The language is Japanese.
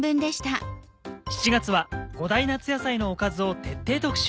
７月は５大夏野菜のおかずを徹底特集。